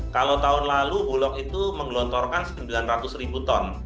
kalau tahun lalu bulog itu menggelontorkan sembilan ratus ribu ton